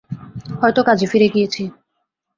হয়তো কাজে ফিরে গিয়েছি।